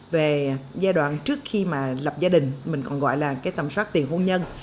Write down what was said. về giai đoạn trước khi lập gia đình mình còn gọi là tầm soát tiền hôn nhân